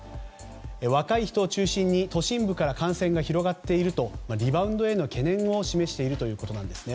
若い人を中心に都心部から感染が広がっているとリバウンドへの懸念も示しているということです。